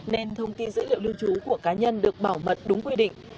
nên thông tin dữ liệu lưu trú của cá nhân được bảo mật đúng quy định